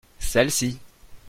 Celles-ci.